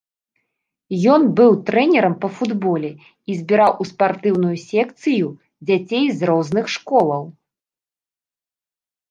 Ён быў трэнерам па футболе і збіраў у спартыўную секцыю дзяцей з розных школаў.